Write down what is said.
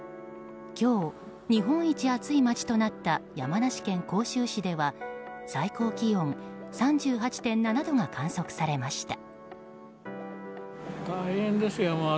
今日、日本一暑い街となった山梨県甲州市では最高気温３８．７度が観測されました。